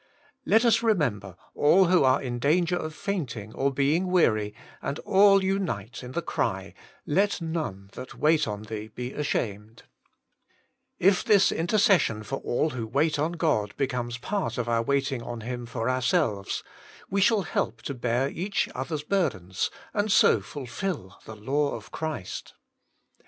Let us remember all who are in danger of fainting or being weary, and all unite in the cry, *Let none that wait on Thee be ashamed ' 1 If this intercession for all who wait on God becomes part of our waiting on Him for our selves, we shall help to bear each other's bur dens, and so fulfil the law of Christ.